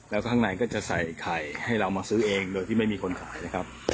แล้วข้างในก็จะใส่ไข่ให้เรามาซื้อเองโดยที่ไม่มีคนขายนะครับ